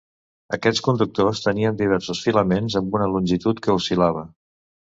Aquests conductors tenien diversos filaments amb una longitud que oscil·lava.